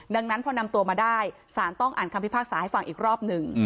ดังนั้นพอนำตัวมาได้สารต้องอ่านคำพิพากษาให้ฟังอีกรอบหนึ่ง